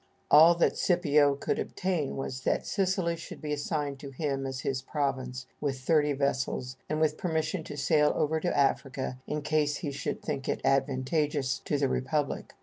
All that Scipio could obtain was that Sicily should be assigned to him as his province, with thirty vessels, and with permission to sail over to Africa in case he should think it advantageous to the republic.